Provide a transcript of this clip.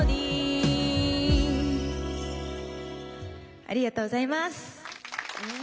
ありがとうございます。